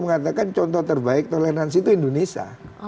mengatakan contoh terbaik toleransi itu indonesia